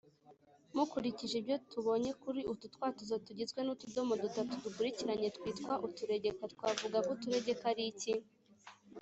mukurikije ibyo tubonye kuri utu twatuzo tugizwe n’utudomo dutatu dukurikiranye twitwa uturegeka (…) twavuga ko uturegeka ari iki?